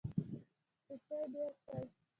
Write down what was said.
کوچي ډیر شي